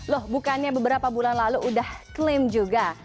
loh bukannya beberapa bulan lalu udah klaim juga